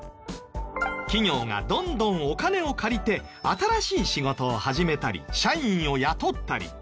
企業がどんどんお金を借りて新しい仕事を始めたり社員を雇ったり。